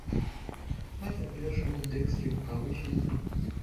Гэта першы узбекскі гукавы фільм.